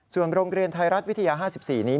ส่วนโรงเรียนไทยรัฐวิทยา๕๔นี้